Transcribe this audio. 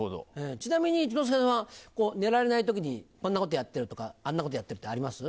ちなみに一之輔さんは寝られない時にこんなことやってるとかあんなことやってるってあります？